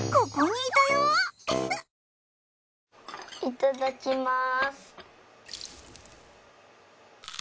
いただきます。